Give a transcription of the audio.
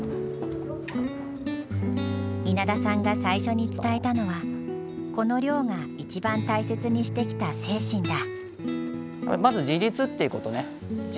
稲田さんが最初に伝えたのはこの寮が一番大切にしてきた精神だ。